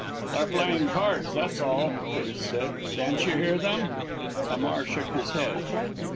"They're playing cards, that's all," Curtis said. "Can't you hear them?" Hamar shook his head.